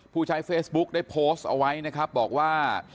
ผู้ใช้เฟซบุ๊คได้โพสต์เอาไว้นะครับบอกว่า